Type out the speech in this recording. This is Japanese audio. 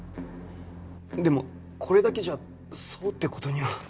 でもこれだけじゃそうって事には。